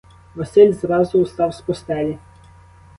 Василь зразу устав з постелі.